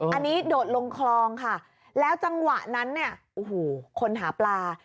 อันนี้โดดลงคลองค่ะแล้วจังหวะนั้นเนี่ยโอ้โหคนหาปลา